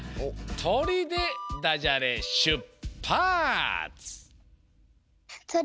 「とり」でダジャレしゅっぱつ！